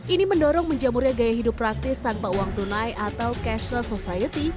ini mendorong menjamurnya gaya hidup praktis tanpa uang tunai atau cashles society